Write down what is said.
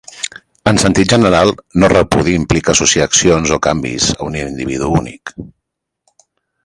En sentit general, "no repudi" implica associar accions o canvis a un individu únic.